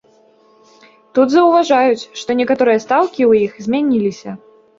Тут заўважаюць, што некаторыя стаўкі ў іх змяніліся.